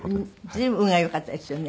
随分運が良かったですよね。